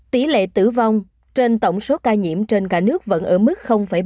tỷ lệ tử vong trên tổng số ca nhiễm trên cả nước vẫn ở mức bảy